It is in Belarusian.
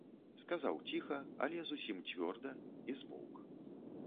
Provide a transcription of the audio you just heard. Сказаў ціха, але зусім цвёрда і змоўк.